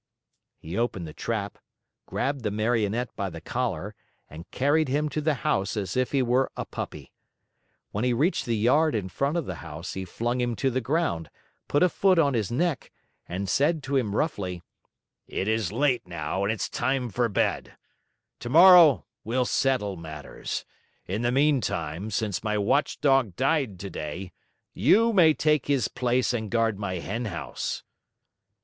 He opened the trap, grabbed the Marionette by the collar, and carried him to the house as if he were a puppy. When he reached the yard in front of the house, he flung him to the ground, put a foot on his neck, and said to him roughly: "It is late now and it's time for bed. Tomorrow we'll settle matters. In the meantime, since my watchdog died today, you may take his place and guard my henhouse."